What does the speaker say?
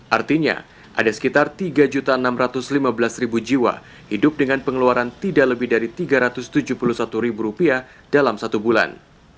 artinya ada sekitar tiga enam ratus lima belas jiwa hidup dengan pengeluaran tidak lebih dari rp tiga ratus tujuh puluh satu dalam satu bulan